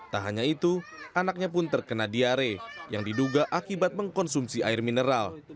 tak hanya itu anaknya pun terkena diare yang diduga akibat mengkonsumsi air mineral